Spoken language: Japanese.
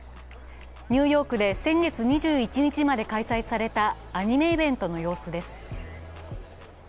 ニューヨークで先月２１日まで開催されたアニメイベントの様子です。